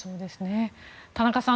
田中さん